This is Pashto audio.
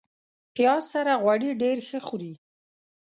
پیاز سره غوړي ډېر ښه خوري